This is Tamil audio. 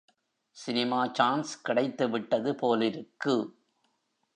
சினிமா சான்ஸ் கிடைத்து விட்டது போலிருக்கு.